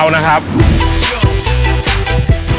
ได้